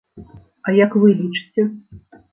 А як вы лічыце?